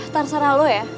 terserah lo ya